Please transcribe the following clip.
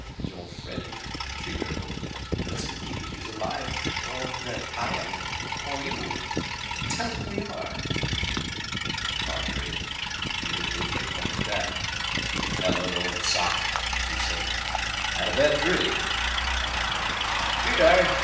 "Your friend," she gurgled, "doesn't believe he's alive, or that I am, or you. Tell him we are." Carr grinned. Mado did look funny at that. "Hello, old sock," he said, "had a bad dream?" "Did I?